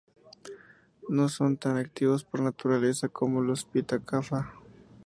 No son tan activos por naturaleza como los pitta-kapha.